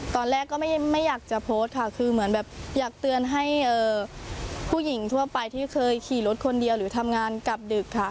ตอนแรกก็ไม่อยากจะโพสต์ค่ะคือเหมือนแบบอยากเตือนให้ผู้หญิงทั่วไปที่เคยขี่รถคนเดียวหรือทำงานกลับดึกค่ะ